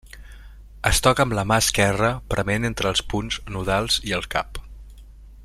Es toca amb la mà esquerra prement entre els punts nodals i el cap.